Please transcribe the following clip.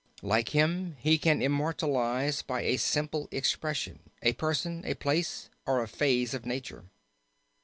Like him he can immortalize by a simple expression, a person, a place, or a phase of nature.